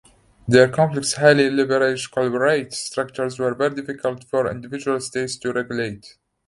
Their complex, highly leveraged, corporate structures were very difficult for individual states to regulate.